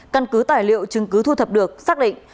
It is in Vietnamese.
căn cứ tài liệu chứng cứ thu thập được xác định